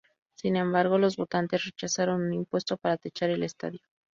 Sin embargo, los votantes rechazaron un impuesto para techar el estadio.